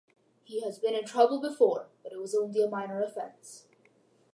He has been in trouble before, but it was only a minor offense.